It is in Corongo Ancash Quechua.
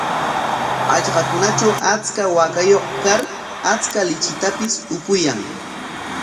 Hallqakunatraw achka waakayuq kar achka lichitapis upuyan.